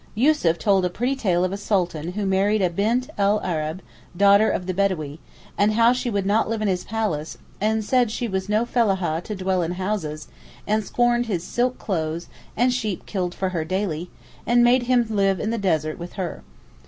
Yussuf told a pretty tale of a Sultan who married a Bint el Arab (daughter of the Bedawee) and how she would not live in his palace, and said she was no fellaha to dwell in houses, and scorned his silk clothes and sheep killed for her daily, and made him live in the desert with her.